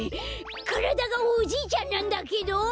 からだがおじいちゃんなんだけど？